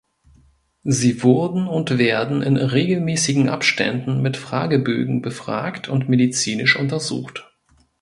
Sie wurden und werden in regelmäßigen Abständen mit Fragebögen befragt und medizinisch untersucht.